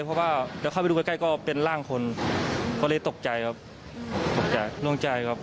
เพราะว่าเดี๋ยวเข้าไปดูใกล้ใกล้ก็เป็นร่างคนก็เลยตกใจครับตกใจโล่งใจครับ